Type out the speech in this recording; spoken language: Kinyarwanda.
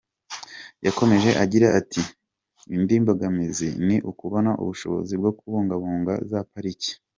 Yakomeje agira ati “Indi mbogamizi ni ukubona ubushobozi bwo kubungabunga za pariki.